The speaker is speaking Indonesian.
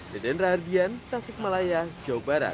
deden rahardian tasik malaya jawa barat